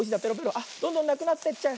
あっどんどんなくなってっちゃう。